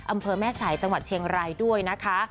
อำเภอแม่สายจังหวัดเชียงรายด้วยนะคะ